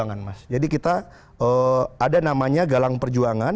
bisa jadi perseorangan